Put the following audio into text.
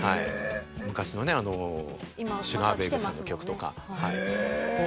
昔のねあのシュガー・ベイブさんの曲とか。